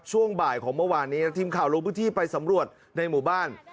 ช่วงบ่ายของเมื่อวานนี้ทีมข่าวลงพื้นที่ไปสำรวจในหมู่บ้าน